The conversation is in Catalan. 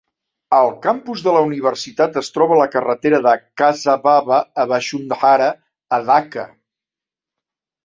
El campus de la universitat es troba a la carretera de Khaza Baba a Bashundhara, a Dhaka.